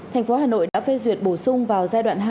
thành phố hà nội đã phê duyệt bổ sung vào giai đoạn hai